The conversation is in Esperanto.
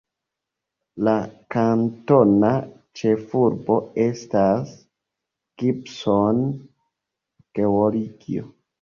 La kantona ĉefurbo estas Gibson, Georgio.